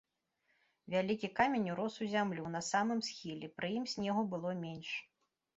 Вялікі камень урос у зямлю на самым схіле, пры ім снегу было менш.